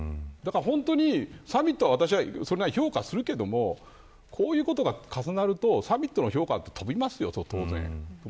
私はサミットはそれなりに評価するけれどこういうことが重なるとサミットの評価は当然飛びます。